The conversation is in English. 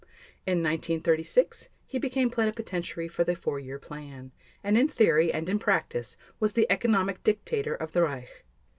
In 1936 he became Plenipotentiary for the Four Year Plan, and in theory and in practice was the economic dictator of the Reich.